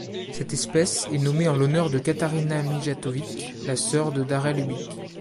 Cette espèce est nommée en l'honneur de Katarina Mijatović la sœur de Darrell Ubick.